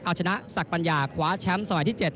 เอาชนะสักปัญญาคว้าชามสมัยที่๗